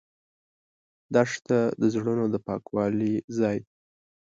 دښته د زړونو د پاکوالي ځای ده.